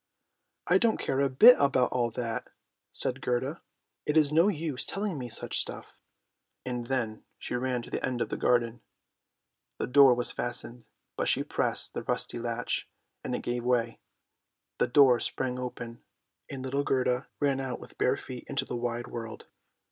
"" I don't care a bit about all that," said Gerda; " it's no use telling me such stuff." And then she ran to the end of the garden. The door was fastened, but she pressed the rusty latch, and it gave way. The door sprang open, and little Gerda ran out with bare feet into the wide world.